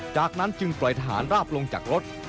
จากนั้นจึงปล่อยทหารราบลงจากรถ